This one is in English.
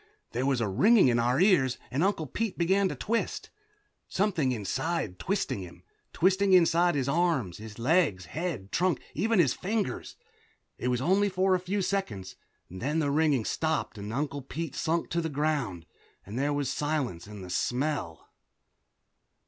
There was a ringing in our ears and Uncle Pete began to twist. Something inside him twisted him, twisting inside his arms, his legs, head, trunk, even his fingers. It was only for a few seconds. Then the ringing stopped, and Uncle Pete sunk to the ground, and there was the silence and the smell.